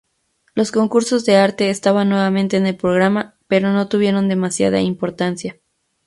Los concursos de arte estaban nuevamente en el programa, pero no tuvieron demasiada importancia.